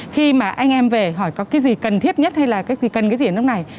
khi mà anh em về hỏi có cái gì cần thiết nhất hay là cần cái gì ở nước này